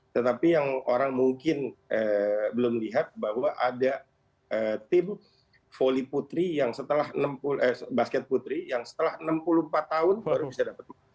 tetapi yang orang mungkin belum lihat bahwa ada tim basket putri yang setelah enam puluh empat tahun baru bisa dapat emas